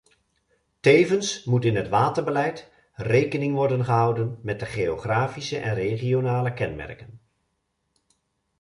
Tevens moet in het waterbeleid rekening worden gehouden met de geografische en regionale kenmerken.